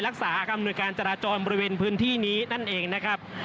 รักษาอำนวยการจราจรบริเวณพื้นที่นี้นั่นเองนะครับ